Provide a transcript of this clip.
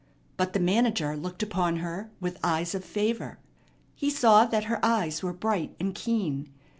But the manager looked upon her with eyes of favor. He saw that her eyes were bright and keen.